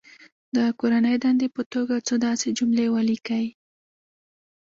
د کورنۍ دندې په توګه څو داسې جملې ولیکي.